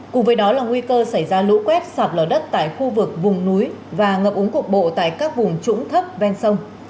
cùng với đó là nguy cơ xảy ra lũ quét sạt lở đất tại khu vực vùng núi và ngập úng cục bộ tại các vùng trũng thấp ven sông